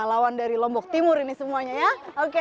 pelawan dari lombok timur ini semuanya yeah oke